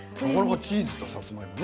チーズとさつまいもね。